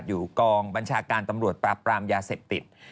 อยู่กองบัญชาการตำรวจปราบปรามยาเสพติด